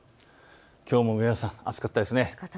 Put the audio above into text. きょうも上原さん、暑かったですね。